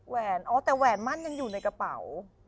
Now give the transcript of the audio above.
แหนอ๋อแต่แหวนมั่นยังอยู่ในกระเป๋า